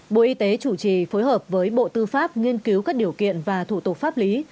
bộ y tế chủ trì phối hợp với bộ tư pháp nghiên cứu các điều kiện và thủ tục pháp lý